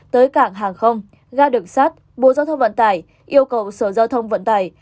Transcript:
tới cảng hàng không ga đường sát bộ giao thông vận tải yêu cầu sở giao thông vận tải